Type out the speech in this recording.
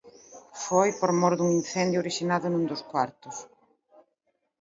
Foi por mor dun incendio orixinado nun dos cuartos.